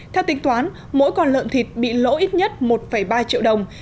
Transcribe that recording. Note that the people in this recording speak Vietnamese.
theo tính toán mỗi con lợn thịt bị lỗ ít nhất một ba triệu đồng